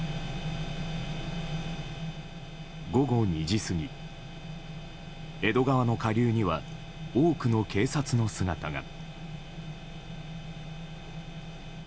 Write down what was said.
午後２時過ぎ、江戸川の下流には多くの警察の姿が。